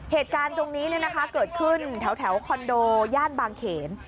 เหตุการณ์ตรงนี้เกิดขึ้นแถวคอนโดย่านบางเขน